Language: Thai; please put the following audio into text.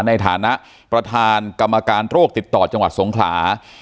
ในฐานะประธานกรรมการโรคติดต่อจังหวัดสงขลา